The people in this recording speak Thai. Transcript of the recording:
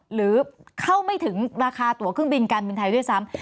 หรือเข้าไม่ถึงราคาตัวเครื่องบินการบินไทยด้วยซ้ำ